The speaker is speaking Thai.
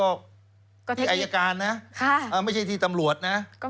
ก็อายการนะไม่ใช่ที่ตำรวจนะ